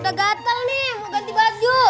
udah gatel nih ganti baju